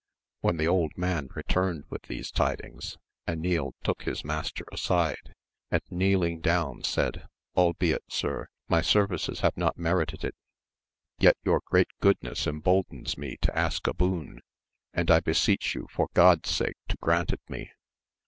When the old man returned with these tidings, Enil took his master aside, and kneeling down said, Albeit, sir, my services have not merited AMADIS OF GAUL. 53 it, yet your great goodness emboldens me to ask a boon, and I beseech you for God's sake to grant it me.